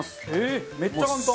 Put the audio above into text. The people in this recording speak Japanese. えっめっちゃ簡単！